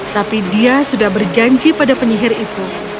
tapi dia sudah berjanji pada penyihir itu